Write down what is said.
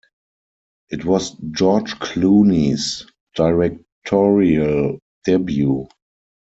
It was George Clooney's directorial debut.